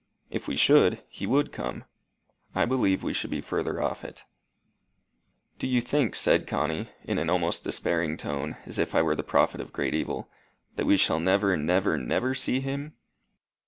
If we should, he would come. I believe we should be further off it." "Do you think, then," said Connie, in an almost despairing tone, as if I were the prophet of great evil, "that we shall never, never, never see him?"